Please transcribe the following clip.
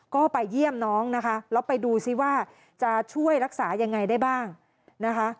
ก็ไปเยี่ยมน้องนะคะแล้วไปดูซิว่าจะช่วยรักษายังไงได้บ้างนะคะ